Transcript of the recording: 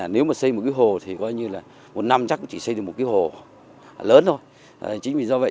nếu xây một cái hồ thì một năm chắc chỉ xây một cái hồ lớn thôi